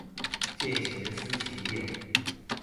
见贤思齐焉